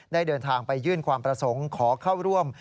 เดินทางไปยื่นความประสงค์ขอเข้าร่วม